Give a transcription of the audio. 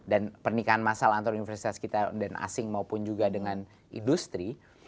dan pernikahan masal antara universitas kita dan asing maupun juga dengan industri